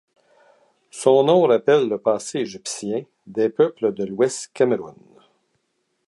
Son nom rappelle le passé égyptien des peuples de l'Ouest Cameroun.